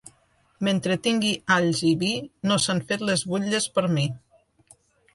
Mentre tingui alls i vi no s'han fet les butlles per a mi.